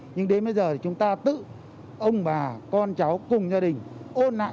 nhưng đến bây giờ chúng ta tự ông bà con cháu cùng gia đình ôn lại